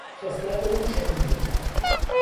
خصلت او چنین بود.